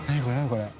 これ。